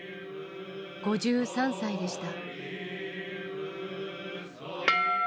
５３歳でした。